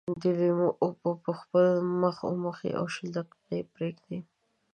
د لیمو اوبه په خپل مخ وموښئ او شل دقيقې یې پرېږدئ.